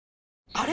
あれ？